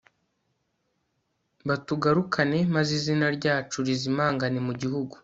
batugarukane, maze izina ryacu rizimangane mu gihugu